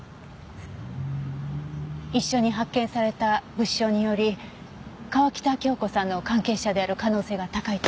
一緒に発見された物証により川喜多京子さんの関係者である可能性が高いと。